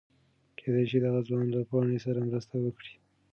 کېدی شي دغه ځوان له پاڼې سره مرسته وکړي.